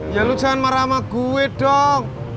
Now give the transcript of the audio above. ya lu jangan marah sama gue dong